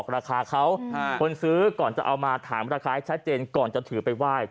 เราจะเอามาถามราคาให้ชัดเจนก่อนจะถือไปไหว้